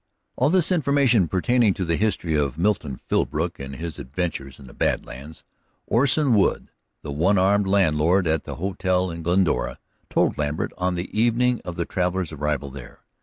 All this information pertaining to the history of Milton Philbrook and his adventures in the Bad Lands, Orson Wood, the one armed landlord at the hotel in Glendora told Lambert on the evening of the travelers' arrival there.